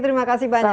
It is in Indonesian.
terima kasih banyak